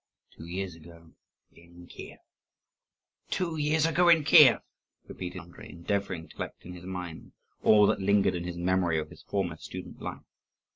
"Two years ago in Kief." "Two years ago in Kief!" repeated Andrii, endeavouring to collect in his mind all that lingered in his memory of his former student life.